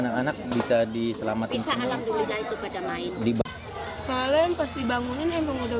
anak anak bisa diselamatkan bisa alhamdulillah itu pada main soalnya pas dibangunin emang udah